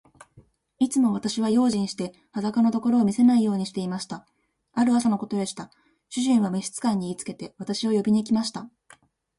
いつも私は用心して、裸のところを見せないようにしていました。ある朝のことでした。主人は召使に言いつけて、私を呼びに来ました。